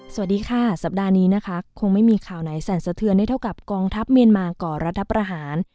สวัสดีค่ะสัปดาห์นี้นะคะคงไม่มีข่าวไหนสั่นสะเทือนได้เท่ากับกองทัพเมียนมาก่อรัฐประหาร